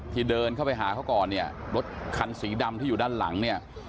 เดินเข้าไปหาเขาก่อนเนี่ยรถคันสีดำที่อยู่ด้านหลังเนี่ย